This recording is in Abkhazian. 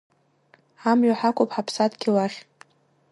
Амҩа ҳақәуп ҳаԥсадгьыл ахь.